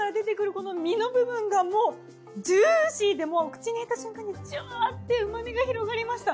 この身の部分がもうジューシーでもう口に入れた瞬間にジュワッて旨みが広がりました。